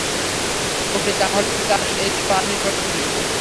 ওকে, তাহলে তুই চাস এই শো আমি সোট করি?